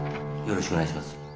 よろしくお願いします。